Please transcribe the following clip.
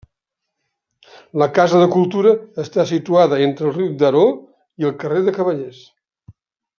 La Casa de Cultura està situada entre el riu Daró i el carrer de Cavallers.